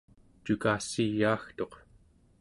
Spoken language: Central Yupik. cukassiyaagtuq